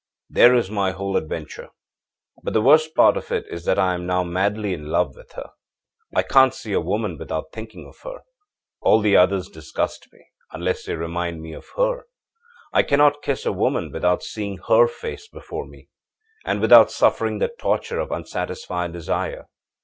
âThere is my whole adventure. But the worst part of it is that I am now madly in love with her. I can't see a woman without thinking of her. All the others disgust me, unless they remind me of her. I cannot kiss a woman without seeing her face before me, and without suffering the torture of unsatisfied desire.